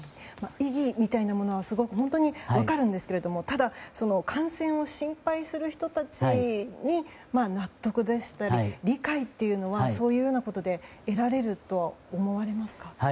意義みたいなものは本当に分かるんですけれどもただ、感染を心配する人たちに納得でしたり理解というのは得られると思われますか？